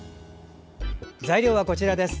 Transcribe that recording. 材料は、こちらです。